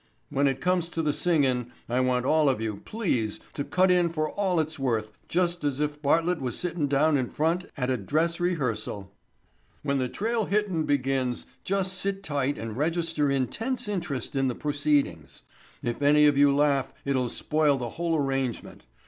When it comes to the singin' I want all of you, please, to cut in for all it's worth just as if Bartlett was sittin' down in front at a dress rehearsal." "When the trail hittin' begins just sit tight and register intense interest in the proceedings. If any of you laugh it'll spoil the whole arrangement.